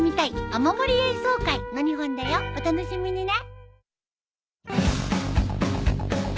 お楽しみにね。